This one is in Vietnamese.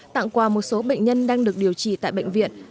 tặng quà một số bệnh nhân đang được điều trị tại bệnh viện